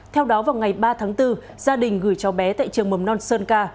theo đó vào ngày ba tháng bốn gia đình gửi cho bé tại trường mầm non sơn ca